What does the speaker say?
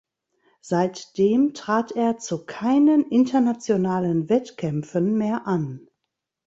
Seitdem trat er zu keinen internationalen Wettkämpfen mehr an.